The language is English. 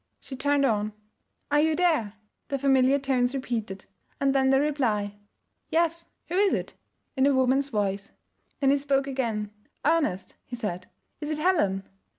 She turned on; 'Are you there?' the familiar tones repeated. And then the reply, 'Yes, who is it?' in a woman's voice. Then he spoke again: 'Ernest,' he said. 'Is it Helen?'